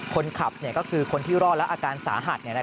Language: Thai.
คนขับก็คือคนที่รอดและอาการสาหัส